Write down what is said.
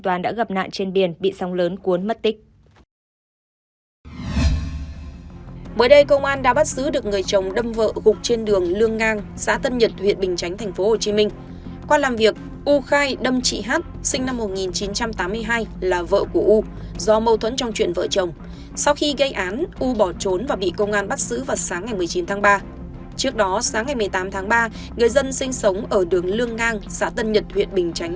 trước đó sáng ngày một mươi tám tháng ba người dân sinh sống ở đường lương ngang xã tân nhật huyện bình chánh